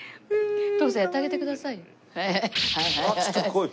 徳さんやってあげてくださいよ。